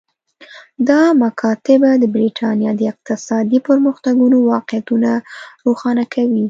دا مکاتبه د برېټانیا د اقتصادي پرمختګونو واقعیتونه روښانه کوي